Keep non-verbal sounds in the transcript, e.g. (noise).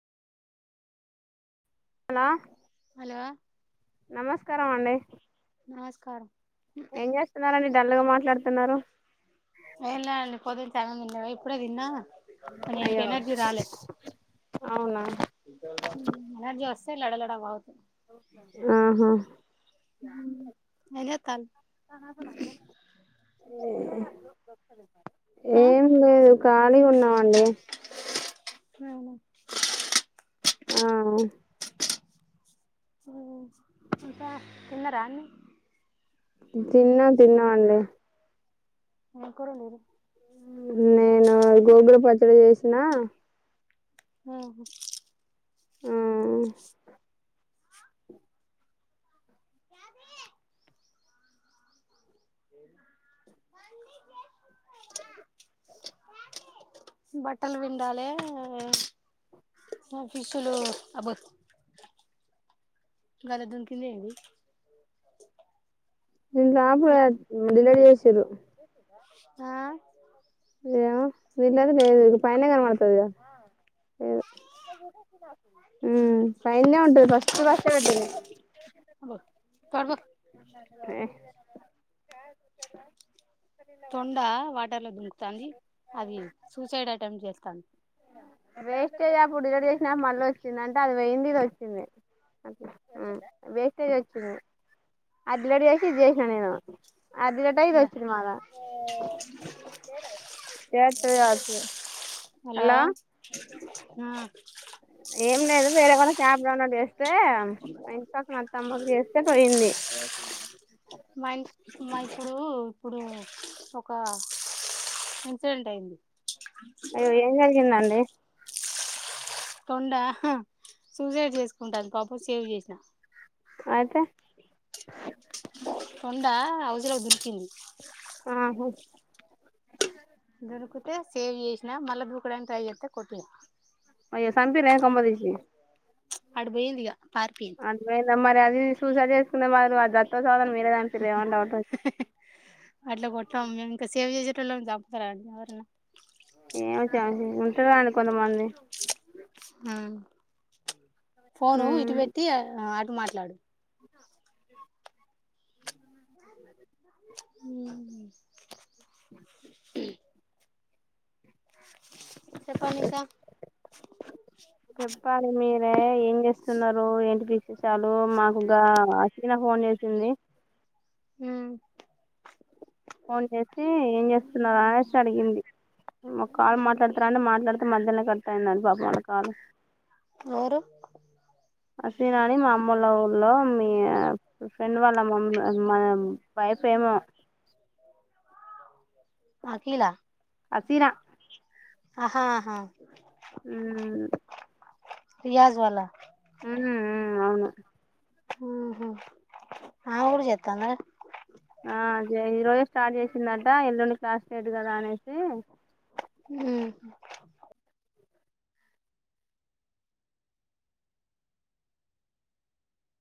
లా లా నమస్కారం అండి నమస్కారం ఏం చేస్తున్నారండి తెల్లగా మాట్లాడుతున్నారు వెళ్ళాలి పొడునుంచి అన్నమే తినలేదు ఇప్పుడే తిన్నా (unintelligible) ఇంక ఎనర్జీ రాలే అవునా ఎనర్జీ వస్ లడలడా వాగు ఆహా అనా తను (unintelligible) (inaudible) ఆ ఏం లేదు ఖాళీ ఉన్నామండి అవునా ఆ (unintelligible) ఇకా తిన్నరా అన్న తిన్నా తిన్నా అండి మనకురండరు (unintelligible) నేను గోగులు పచ్చడి చేసిన హ ఆ బట్టలు పిండాల ఫిసులు అబ గల దన్ దూకిడే ఇవి ఇంపు ఎలా డిలేీ చేసి (unintelligible) శరుూ (unintelligible) ఆ ఏ ఇల్ లేదు ఇది పైన కనబడుతుంది కదా పైన్ ఉంట ఫస్ట్ ప పెటి అబ్బో తోడుపో అ (unintelligible) తొండ వాటర్లో దుంకు ంది అది సూసైడ్టం చప్ చెతా (unintelligible) వేస్టేజ్ అప్పుడు డిలట్ చేసినా మళ్ళీ వచ్చింది అంటే అది వెయ్యడిది వచ్చింది వేస్టేజ్ వచ్చింది అది డిలట్ చేసి ఇది చేసినా నేను అది డిలీట్ అయి ఇది ఇలా వచ్చింది మళ్ళా చ (unintelligible) హలో ఆ ఏం లేదు వేరేవనా క్యాప్ అన్న్నట్ (unintelligible) వస్తే మత్త అమ్మకు చేస్తే పోయింది అ (unintelligible) మా మా ఇప్పుడు ఇప్పుడు ఒక ఇన్సిడెంట్ అయింది అయ్యో ఏం జరిగింది అండి తొండ సూసైడ్ చేసుకుంటాను పాపం సేవ్ చేసిన అయితే తొండ ఉసిలోకి దుర్కింది ఆహా దొరుకుతే సేవ్ చేసి మల్ల దోకడానికి ట్రై చేస్తే కొట్టె అయ్యో సంపిర్రెమ్ కొంపతీసి అటు బోయిందిగా అతుయింది మరి సూసైడ్ చేసుకునే బదులు వాడు సస్తే సావ్ అట్లా కొట్టం మేం ఇంకా సేవ చే జంపుతారంటా ఎవరన్నా ఏమి చే ఉంటారు అండి కొంతమంది హ ఫోను ఉమ్ ఇటు పెట్టి అటు మాట్లాడు ఉ మ్మ్ చెప్పండి ఇంకా చెప్పాల మీరు అ ఏం చేస్తున్నారు ఏంటి పక్షే చాలు మాకు అచ్చిన ఫోన్ చేసింది మ్మ్ ఫోన్ చేసి ఏం చేస్తున్నారు అనేసి అడిగింది ఒక కాలు మాట్లాడతారండి మాట్లాడితే మధ్యలోనే కట్టయ్యింది పాప వాళ్ళ కాలు ఎవరు అశ్విని అని మా అమ్మల ఊళ్లో మీ ఫ్రెండ్ వాళ్ళ అమ్మమ్మ వయసేమో అసీరా ఆహాహా. ఉమ్ రియాజ్ వాలా మ్మ్ మ్మ్ అవును హ ఆ అమ గూడ చెత్తందా. ఆ ఈ రోజు స్టార్ట్ చేసిందట ఎల్లుండి క్లాస్ లేదు గదా అనేసి. ఉమ్.